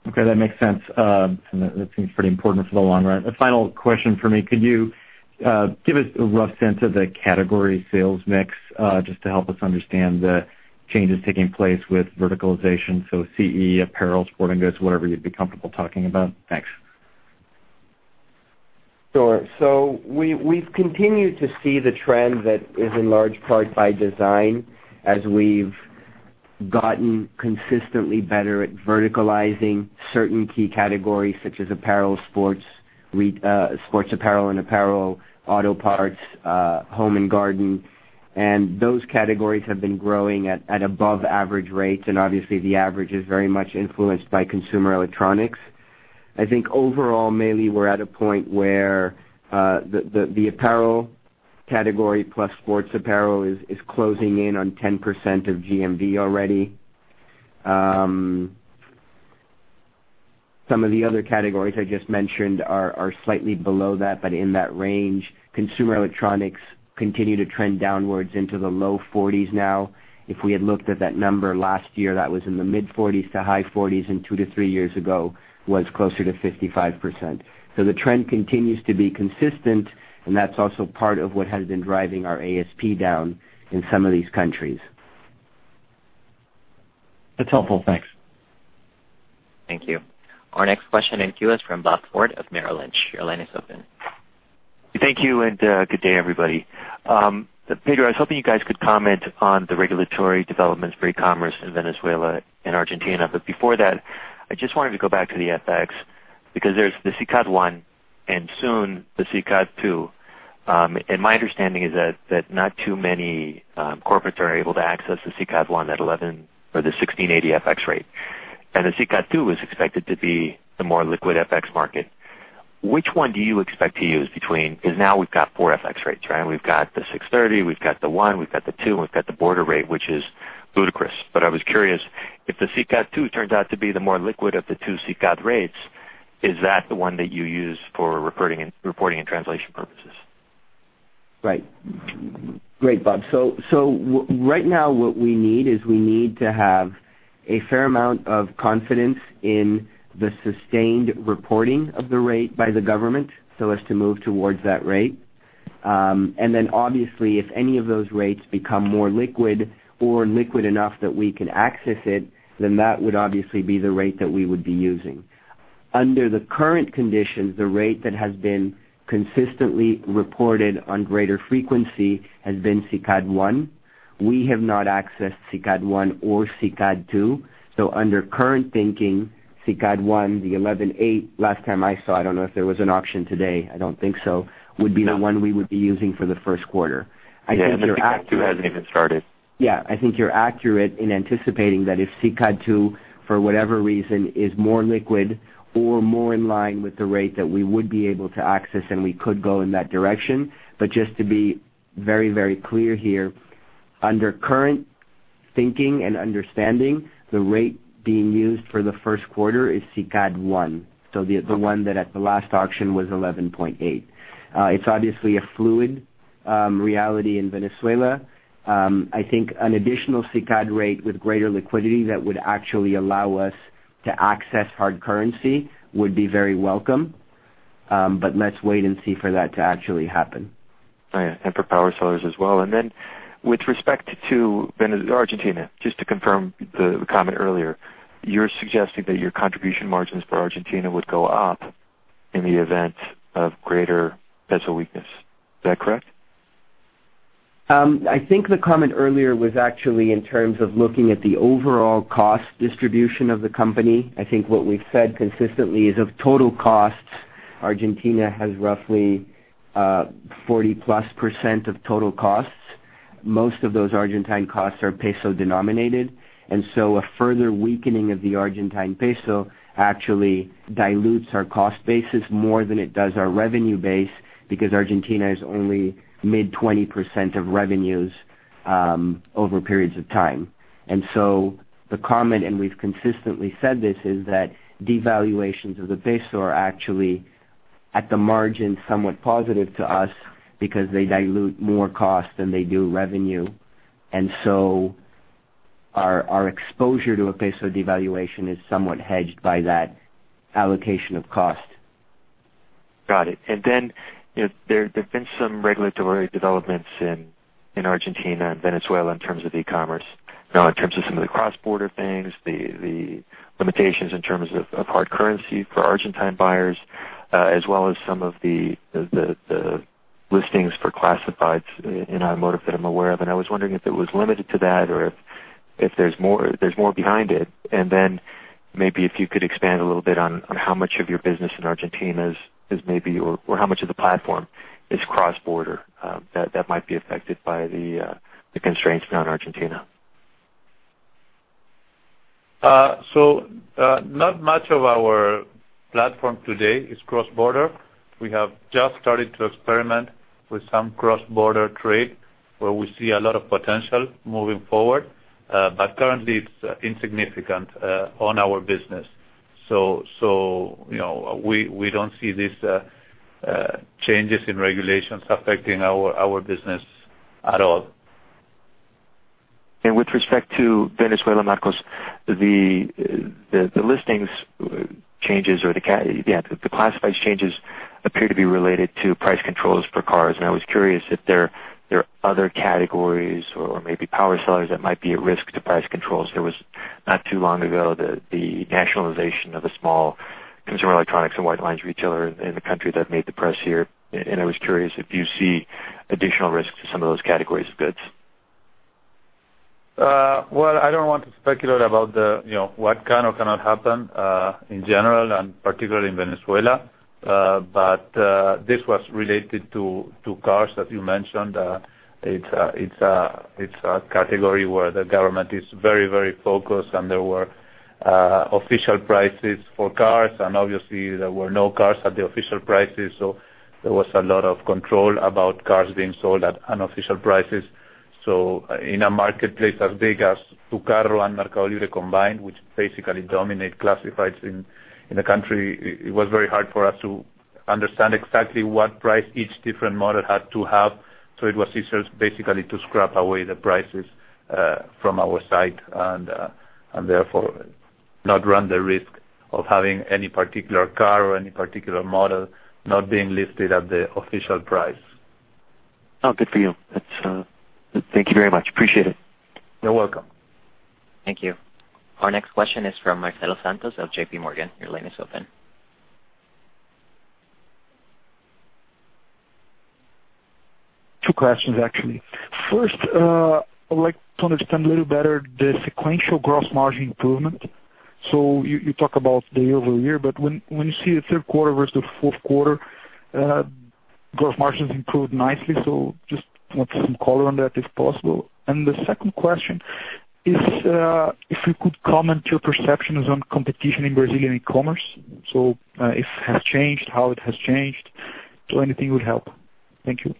Okay, that makes sense. That seems pretty important for the long run. A final question from me. Could you give us a rough sense of the category sales mix just to help us understand the changes taking place with verticalization? CE, apparel, sporting goods, whatever you'd be comfortable talking about. Thanks. Sure. We've continued to see the trend that is in large part by design as we've gotten consistently better at verticalizing certain key categories such as apparel, sports apparel, and apparel auto parts, home and garden. Those categories have been growing at above average rates, obviously the average is very much influenced by consumer electronics I think overall, mainly we're at a point where the apparel category plus sports apparel is closing in on 10% of GMV already. Some of the other categories I just mentioned are slightly below that, but in that range. Consumer electronics continue to trend downwards into the low 40s now. If we had looked at that number last year, that was in the mid 40s to high 40s, and two to three years ago was closer to 55%. The trend continues to be consistent, and that's also part of what has been driving our ASP down in some of these countries. That's helpful. Thanks. Thank you. Our next question in queue is from Robert Ford of Merrill Lynch. Your line is open. Thank you, and good day, everybody. Pedro, I was hoping you guys could comment on the regulatory developments for e-commerce in Venezuela and Argentina. Before that, I just wanted to go back to the FX, because there's the SICAD I and soon the SICAD II. My understanding is that not too many corporates are able to access the SICAD I at 11 or the 1,680 FX rate. The SICAD II is expected to be the more liquid FX market. Which one do you expect to use between? Because now we've got four FX rates, right? We've got the 630, we've got the I, we've got the II, and we've got the border rate, which is ludicrous. I was curious if the SICAD II turns out to be the more liquid of the two SICAD rates, is that the one that you use for reporting and translation purposes? Right. Great, Bob. Right now what we need is we need to have a fair amount of confidence in the sustained reporting of the rate by the government so as to move towards that rate. Obviously, if any of those rates become more liquid or liquid enough that we can access it, then that would obviously be the rate that we would be using. Under the current conditions, the rate that has been consistently reported on greater frequency has been SICAD I. We have not accessed SICAD I or SICAD II. Under current thinking, SICAD I, the 11.8, last time I saw, I don't know if there was an auction today, I don't think so, would be the one we would be using for the first quarter. The SICAD II hasn't even started. I think you're accurate in anticipating that if SICAD II, for whatever reason, is more liquid or more in line with the rate that we would be able to access and we could go in that direction. Just to be very clear here, under current thinking and understanding, the rate being used for the first quarter is SICAD I. The one that at the last auction was 11.8. It's obviously a fluid reality in Venezuela. I think an additional SICAD rate with greater liquidity that would actually allow us to access hard currency would be very welcome. Let's wait and see for that to actually happen. Oh, yeah, for power sellers as well. With respect to Argentina, just to confirm the comment earlier, you're suggesting that your contribution margins for Argentina would go up in the event of greater peso weakness. Is that correct? I think the comment earlier was actually in terms of looking at the overall cost distribution of the company. I think what we've said consistently is of total costs, Argentina has roughly, 40%+ of total costs. Most of those Argentine costs are peso denominated, a further weakening of the Argentine peso actually dilutes our cost basis more than it does our revenue base, because Argentina is only mid 20% of revenues over periods of time. The comment, and we've consistently said this, is that devaluations of the peso are actually at the margin, somewhat positive to us because they dilute more cost than they do revenue. Our exposure to a peso devaluation is somewhat hedged by that allocation of cost. Got it. There have been some regulatory developments in Argentina and Venezuela in terms of e-commerce. In terms of some of the cross-border things, the limitations in terms of hard currency for Argentine buyers, as well as some of the listings for classifieds in automotive that I'm aware of. I was wondering if it was limited to that or if there's more behind it, then maybe if you could expand a little bit on how much of your business in Argentina is maybe, or how much of the platform is cross-border that might be affected by the constraints around Argentina. Not much of our platform today is cross-border. We have just started to experiment with some cross-border trade where we see a lot of potential moving forward. Currently it's insignificant on our business. We don't see these changes in regulations affecting our business at all. With respect to Venezuela, Marcos, the listings changes or the classifieds changes appear to be related to price controls for cars, and I was curious if there are other categories or maybe power sellers that might be at risk to price controls. There was not too long ago, the nationalization of a small consumer electronics and white goods retailer in the country that made the press here, and I was curious if you see additional risk to some of those categories of goods. Well, I don't want to speculate about what can or cannot happen, in general and particularly in Venezuela. This was related to cars that you mentioned. It's a category where the government is very, very focused, and there were official prices for cars, and obviously there were no cars at the official prices. There was a lot of control about cars being sold at unofficial prices. In a marketplace as big as TuCarro and MercadoLibre combined, which basically dominate classifieds in the country, it was very hard for us to understand exactly what price each different model had to have. It was easier basically to scrap away the prices from our site, and therefore not run the risk of having any particular car or any particular model not being listed at the official price. Oh, good for you. Thank you very much. Appreciate it. You're welcome. Thank you. Our next question is from Marcelo Santos of J.P. Morgan. Your line is open. Two questions, actually. First, I would like to understand a little better the sequential gross margin improvement. You talk about the year-over-year, but when you see the third quarter versus the fourth quarter, gross margins improved nicely. Just want some color on that, if possible. The second question is, if you could comment your perceptions on competition in Brazilian e-commerce. If it has changed, how it has changed. Anything would help. Thank you.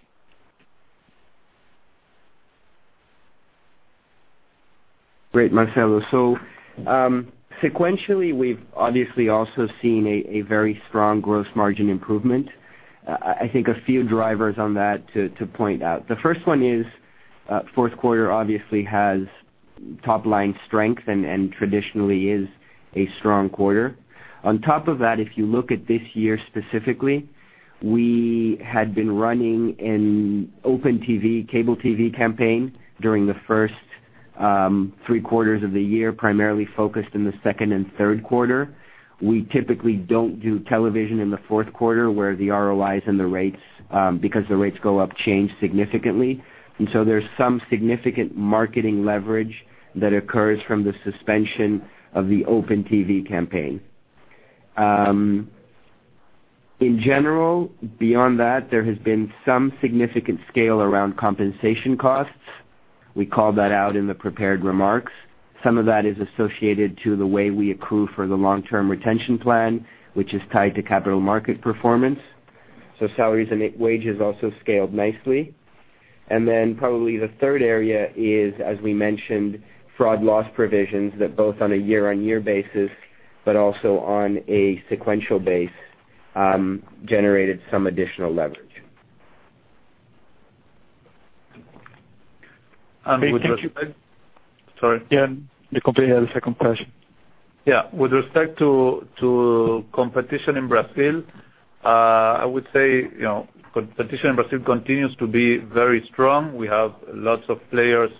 Great, Marcelo. Sequentially, we've obviously also seen a very strong gross margin improvement. I think a few drivers on that to point out. The first one is, fourth quarter obviously has top-line strength and traditionally is a strong quarter. On top of that, if you look at this year specifically, we had been running an open TV, cable TV campaign during the first three quarters of the year, primarily focused in the second and third quarter. We typically don't do television in the fourth quarter, where the ROIs and the rates, because the rates go up, change significantly. There's some significant marketing leverage that occurs from the suspension of the open TV campaign. In general, beyond that, there has been some significant scale around compensation costs. We called that out in the prepared remarks. Some of that is associated to the way we accrue for the long-term retention plan, which is tied to capital market performance. Salaries and wages also scaled nicely. Probably the third area is, as we mentioned, fraud loss provisions that both on a year-on-year basis, but also on a sequential base, generated some additional leverage. And with- Thank you. Sorry. The company had a second question. With respect to competition in Brazil, I would say competition in Brazil continues to be very strong. We have lots of players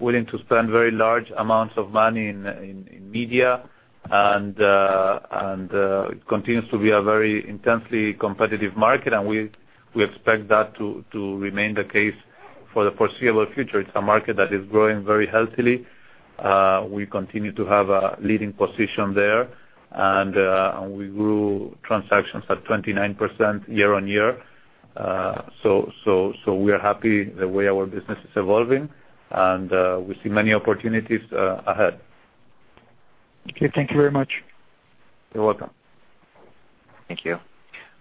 willing to spend very large amounts of money in media, and it continues to be a very intensely competitive market, and we expect that to remain the case for the foreseeable future. It's a market that is growing very healthily. We continue to have a leading position there, and we grew transactions at 29% year-over-year. We are happy the way our business is evolving, and we see many opportunities ahead. Thank you very much. You're welcome. Thank you.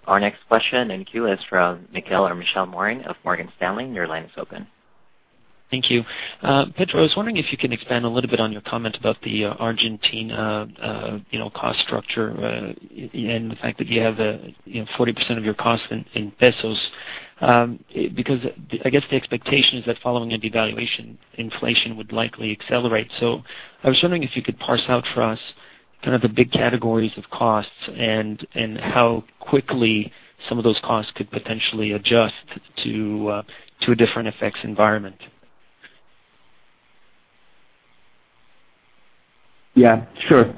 Our next question in queue is from Michel Morin of Morgan Stanley. Your line is open. Thank you. Pedro, I was wondering if you could expand a little bit on your comment about the Argentina cost structure, and the fact that you have 40% of your cost in ARS. I guess the expectation is that following a devaluation, inflation would likely accelerate. I was wondering if you could parse out for us kind of the big categories of costs and how quickly some of those costs could potentially adjust to a different FX environment. Yeah, sure.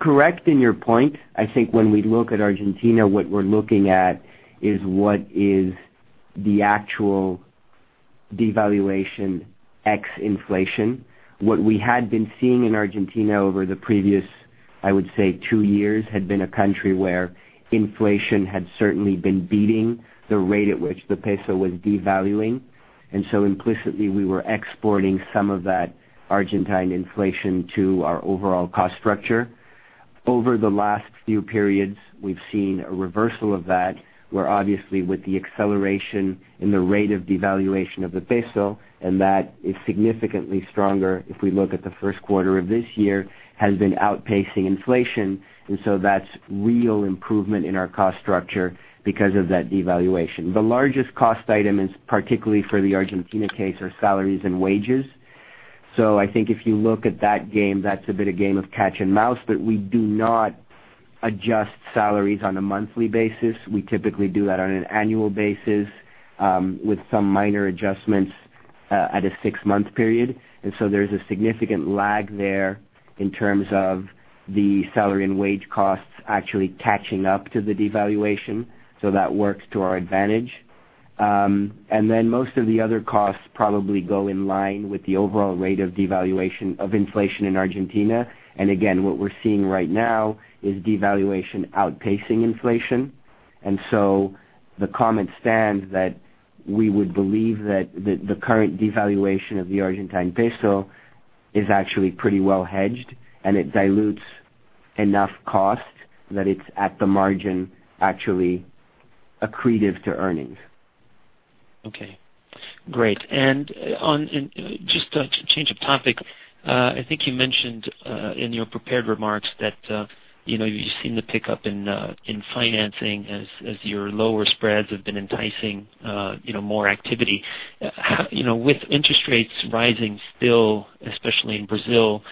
Correct in your point. I think when we look at Argentina, what we're looking at is what is the actual devaluation ex inflation. What we had been seeing in Argentina over the previous, I would say, 2 years, had been a country where inflation had certainly been beating the rate at which the ARS was devaluing. Implicitly, we were exporting some of that Argentine inflation to our overall cost structure. Over the last few periods, we've seen a reversal of that, where obviously with the acceleration in the rate of devaluation of the ARS, and that is significantly stronger, if we look at the 1st quarter of this year, has been outpacing inflation. That's real improvement in our cost structure because of that devaluation. The largest cost item is particularly for the Argentina case, are salaries and wages. I think if you look at that game, that's a bit of game of catch and mouse, but we do not adjust salaries on a monthly basis. We typically do that on an annual basis, with some minor adjustments at a six-month period. There's a significant lag there in terms of the salary and wage costs actually catching up to the devaluation. That works to our advantage. Most of the other costs probably go in line with the overall rate of inflation in Argentina. Again, what we're seeing right now is devaluation outpacing inflation. The comment stands that we would believe that the current devaluation of the Argentine peso is actually pretty well hedged, and it dilutes enough cost that it's at the margin, actually accretive to earnings. Okay, great. Just a change of topic. I think you mentioned, in your prepared remarks that you've seen the pickup in financing as your lower spreads have been enticing more activity. With interest rates rising still, especially in Brazil,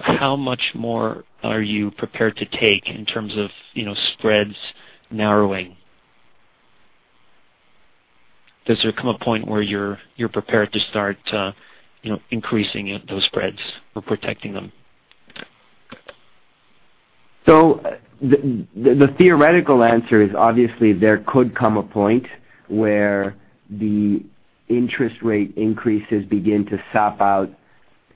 how much more are you prepared to take in terms of spreads narrowing? Does there come a point where you're prepared to start increasing those spreads or protecting them? The theoretical answer is, obviously, there could come a point where the interest rate increases begin to sap out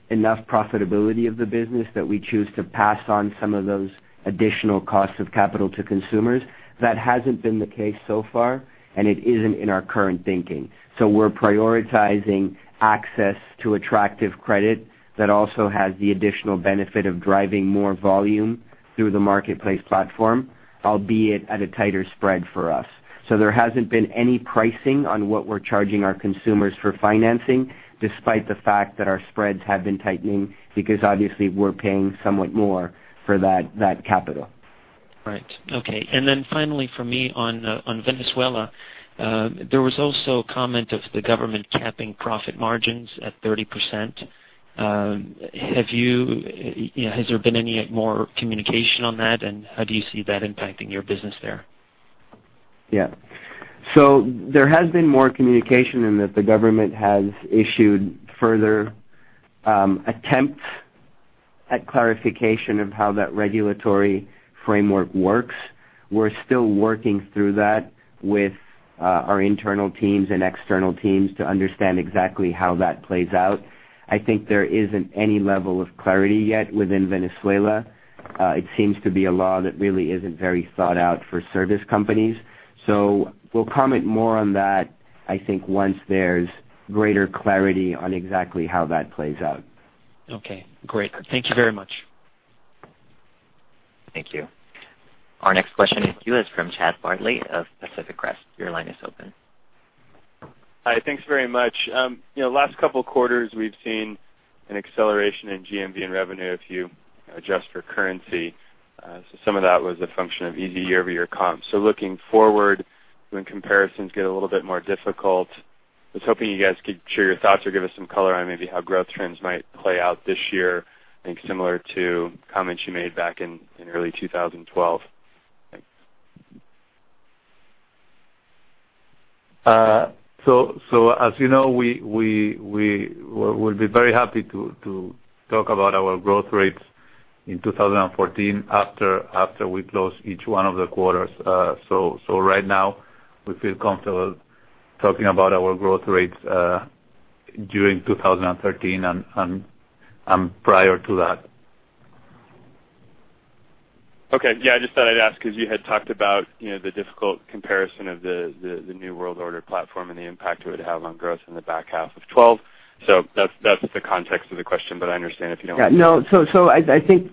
enough profitability of the business that we choose to pass on some of those additional costs of capital to consumers. That hasn't been the case so far, and it isn't in our current thinking. We're prioritizing access to attractive credit that also has the additional benefit of driving more volume through the marketplace platform, albeit at a tighter spread for us. There hasn't been any pricing on what we're charging our consumers for financing, despite the fact that our spreads have been tightening, because obviously we're paying somewhat more for that capital. Right. Okay. Finally for me, on Venezuela. There was also a comment of the government capping profit margins at 30%. Has there been any more communication on that, and how do you see that impacting your business there? Yeah. There has been more communication in that the government has issued further attempts at clarification of how that regulatory framework works. We're still working through that with our internal teams and external teams to understand exactly how that plays out. I think there isn't any level of clarity yet within Venezuela. It seems to be a law that really isn't very thought out for service companies. We'll comment more on that, I think, once there's greater clarity on exactly how that plays out. Okay, great. Thank you very much. Thank you. Our next question is from Chad Bartley of Pacific Crest. Your line is open. Hi. Thanks very much. Last couple of quarters, we've seen an acceleration in GMV and revenue if you adjust for currency. Some of that was a function of easy year-over-year comp. Looking forward, when comparisons get a little bit more difficult, I was hoping you guys could share your thoughts or give us some color on maybe how growth trends might play out this year, I think similar to comments you made back in early 2012. Thanks. As you know, we'll be very happy to talk about our growth rates in 2014 after we close each one of the quarters. Right now, we feel comfortable talking about our growth rates during 2013 and prior to that. Okay. Yeah, I just thought I'd ask because you had talked about the difficult comparison of the New World Order platform and the impact it would have on growth in the back half of 2012. That's the context of the question, but I understand if you don't. Yeah, no. I think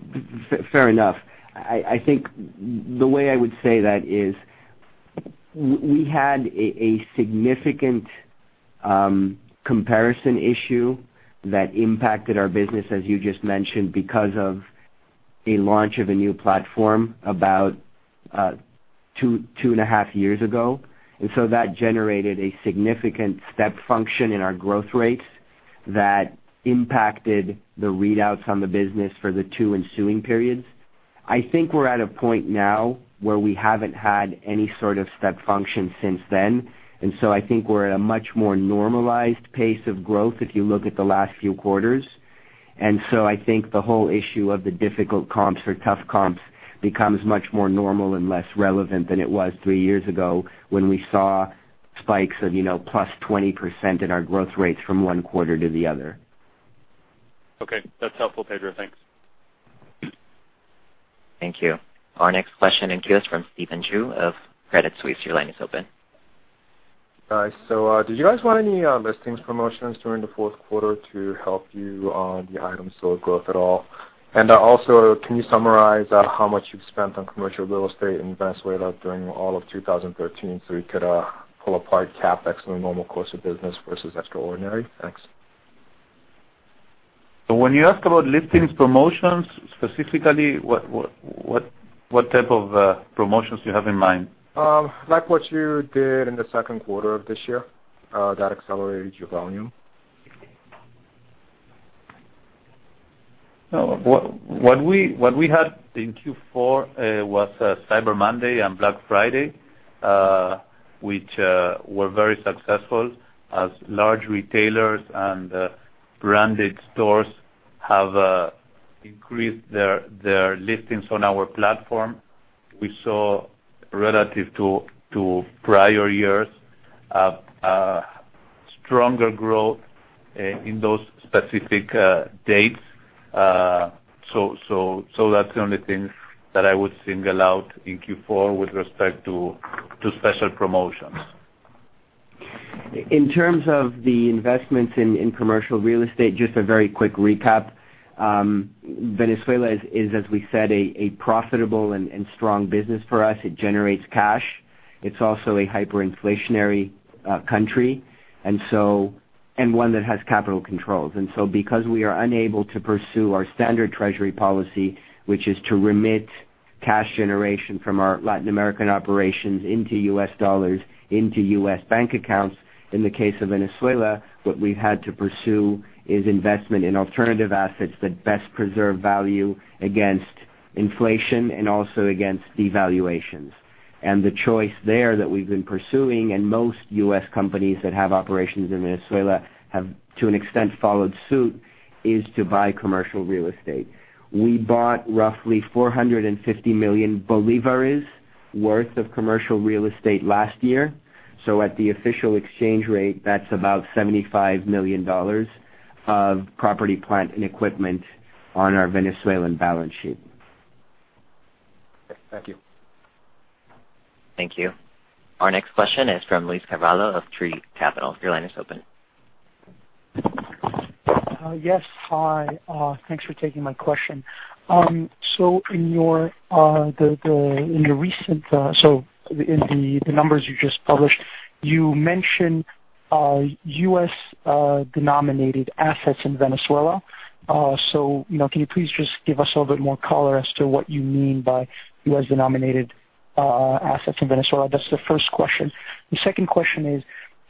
fair enough. I think the way I would say that is we had a significant comparison issue that impacted our business, as you just mentioned, because of a launch of a new platform about two and a half years ago. That generated a significant step function in our growth rates that impacted the readouts on the business for the two ensuing periods. I think we're at a point now where we haven't had any sort of step function since then, I think we're at a much more normalized pace of growth if you look at the last few quarters. I think the whole issue of the difficult comps or tough comps becomes much more normal and less relevant than it was three years ago when we saw spikes of plus 20% in our growth rates from one quarter to the other. Okay. That's helpful, Pedro. Thanks. Thank you. Our next question comes from Stephen Ju of Credit Suisse. Your line is open. Hi. Did you guys run any listings promotions during the fourth quarter to help you on the item store growth at all? Can you summarize how much you've spent on commercial real estate in Venezuela during all of 2013, so we could pull apart CapEx in the normal course of business versus extraordinary? Thanks. When you ask about listings promotions, specifically, what type of promotions do you have in mind? what you did in the second quarter of this year, that accelerated your volume. What we had in Q4 was Cyber Monday and Black Friday, which were very successful as large retailers and branded stores have increased their listings on our platform. We saw relative to prior years, a stronger growth in those specific dates. That's the only thing that I would single out in Q4 with respect to special promotions. In terms of the investments in commercial real estate, just a very quick recap. Venezuela is, as we said, a profitable and strong business for us. It generates cash. It's also a hyperinflationary country and one that has capital controls. Because we are unable to pursue our standard treasury policy, which is to remit cash generation from our Latin American operations into U.S. dollars, into U.S. bank accounts, in the case of Venezuela, what we've had to pursue is investment in alternative assets that best preserve value against inflation and also against devaluations. The choice there that we've been pursuing, and most U.S. companies that have operations in Venezuela have, to an extent, followed suit, is to buy commercial real estate. We bought roughly VEF 450 million worth of commercial real estate last year. At the official exchange rate, that's about $75 million of property, plant, and equipment on our Venezuelan balance sheet. Thank you. Thank you. Our next question is from Luiz Carvalho of Tree Capital. Your line is open. Yes, hi. Thanks for taking my question. In the numbers you just published, you mentioned U.S.-denominated assets in Venezuela. Can you please just give us a little bit more color as to what you mean by U.S.-denominated assets in Venezuela? That's the first question. The second question is,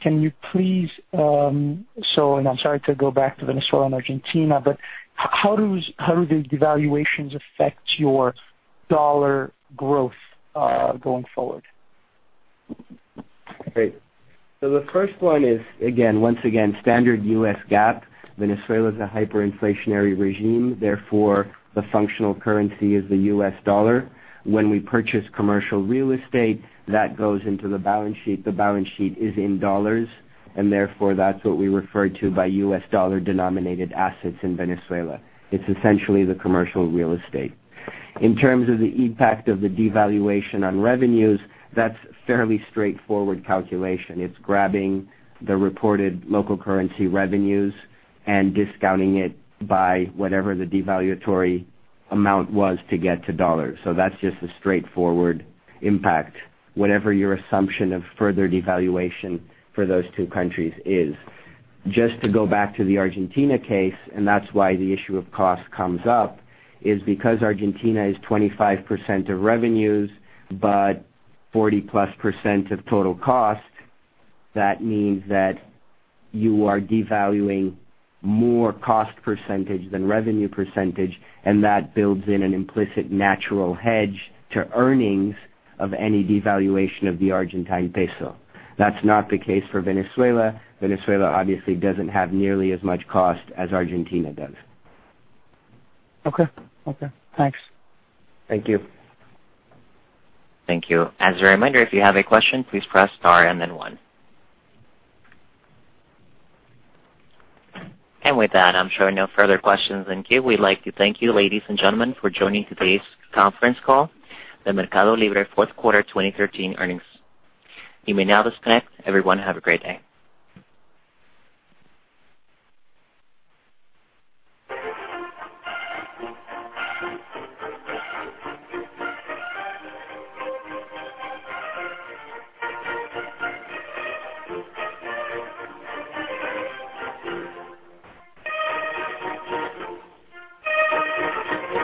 can you please, and I'm sorry to go back to Venezuela and Argentina, how do these devaluations affect your USD growth, going forward? Great. The first one is, once again, standard U.S. GAAP. Venezuela is a hyperinflationary regime, therefore, the functional currency is the U.S. dollar. When we purchase commercial real estate, that goes into the balance sheet. The balance sheet is in USD, and therefore that's what we refer to by U.S. dollar-denominated assets in Venezuela. It's essentially the commercial real estate. In terms of the impact of the devaluation on revenues, that's fairly straightforward calculation. It's grabbing the reported local currency revenues and discounting it by whatever the devaluatory amount was to get to USD. That's just a straightforward impact. Whatever your assumption of further devaluation for those two countries is. Just to go back to the Argentina case, and that's why the issue of cost comes up, is because Argentina is 25% of revenues, but 40%+-plus of total cost. That means that you are devaluing more cost percentage than revenue percentage, and that builds in an implicit natural hedge to earnings of any devaluation of the Argentine peso. That's not the case for Venezuela. Venezuela obviously doesn't have nearly as much cost as Argentina does. Okay. Thanks. Thank you. Thank you. As a reminder, if you have a question, please press star and then one. With that, I'm showing no further questions in queue. We'd like to thank you, ladies and gentlemen, for joining today's conference call, the MercadoLibre Fourth Quarter 2013 Earnings. You may now disconnect. Everyone, have a great day.